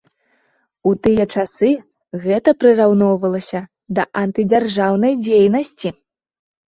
У тыя часы гэта прыраўноўвалася да антыдзяржаўнай дзейнасці.